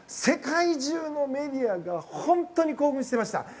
世界中のメディアが本当に興奮していました。